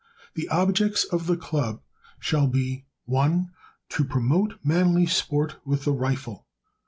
The objects of the Club shall be 1. To promote manly sport with the rifle.